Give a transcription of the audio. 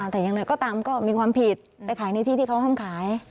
แต่อย่างไรก็ตามก็มีความผิดไปขายในที่ที่เขาห้ามขาย